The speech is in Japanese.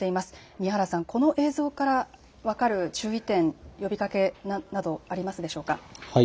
宮原さん、この映像から分かる注意点、呼びかけなどありますでしょうか。